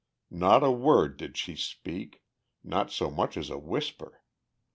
Not a word did she speak, not so much as a whisper.